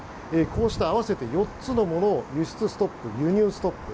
こうした、合わせて４つのものを輸出ストップ、輸入ストップ。